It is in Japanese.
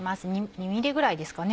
２ｍｍぐらいですかね。